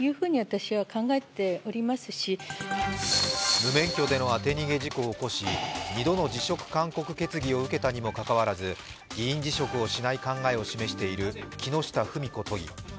無免許での当て逃げ事故を起こし、２度の辞職勧告を受けたにもかかわらず議員辞職をしない考えを示している木下富美子都議。